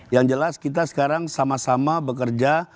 yang jelas kita sekarang sama sama bekerja